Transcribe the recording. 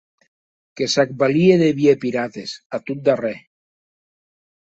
Que s'ac valie de vier pirates, a tot darrèr.